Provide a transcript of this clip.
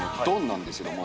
なんですけども。